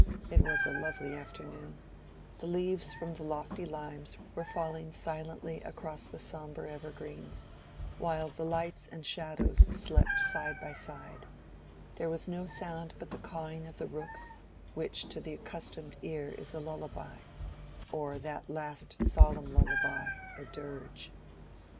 It was a lovely afternoon; the leaves from the lofty limes were falling silently across the sombre evergreens, while the lights and shadows slept side by side: there was no sound but the cawing of the rooks, which to the accustomed ear is a lullaby, or that last solemn lullaby, a dirge.